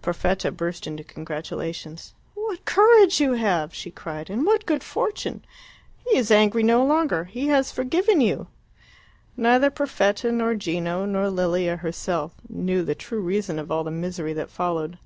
Perfetta burst into congratulations. "What courage you have!" she cried; "and what good fortune! He is angry no longer! He has forgiven you!" Neither Perfetta, nor Gino, nor Lilia herself knew the true reason of all the misery that followed.